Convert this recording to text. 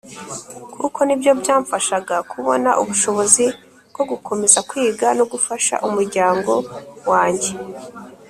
kuko ni byo byamfashaga kubona ubushobozi bwo gukomeza kwiga no gufasha umuryango wange.